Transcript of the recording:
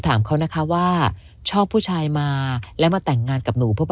ถามเขานะคะว่าชอบผู้ชายมาแล้วมาแต่งงานกับหนูเพราะ